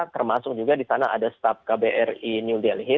termasuk juga di sana ada staff kbri new delhi